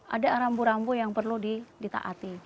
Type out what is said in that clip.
ada rambu rambu yang perlu ditaati